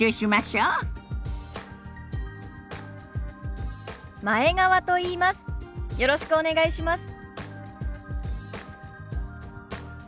よろしくお願いします。